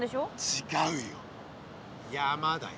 ちがうよ山だよ。